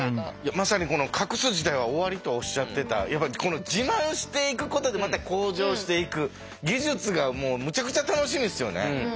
まさにこの「隠す時代は終わり」とおっしゃってたこの自慢していくことでまた向上していく技術がもうむちゃくちゃ楽しみですよね。